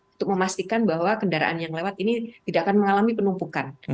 untuk memastikan bahwa kendaraan yang lewat ini tidak akan mengalami penumpukan